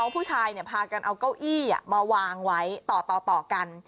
ผู้ชายพากันเอาเก้าอี้มาวางไว้ต่อกัน